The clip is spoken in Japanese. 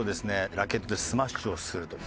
ラケットでスマッシュをすると。